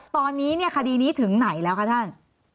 ตอนนี้เนี่ยคดีนี้ถึงไหนแล้วคะท่าน